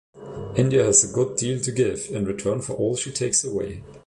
India has a good deal to give in return for all she takes away.